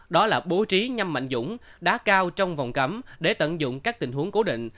đó là bố trí nhâm mạnh dũng đá cao trong vòng cấm để tận dụng các tình huống cố định